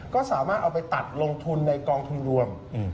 ก็สามารถเอาไปตัดลงทุนในกองทุนรวม